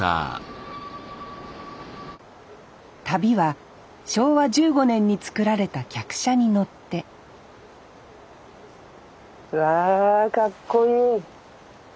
旅は昭和１５年に造られた客車に乗ってうわかっこいい。